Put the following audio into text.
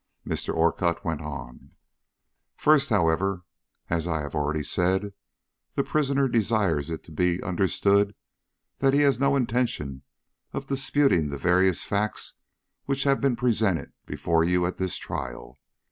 Mr. Orcutt went on: "First, however, as I have already said, the prisoner desires it to be understood that he has no intention of disputing the various facts which have been presented before you at this trial.